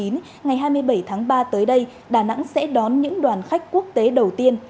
ngày hai mươi bảy tháng ba tới đây đà nẵng sẽ đón những đoàn khách quốc tế đầu tiên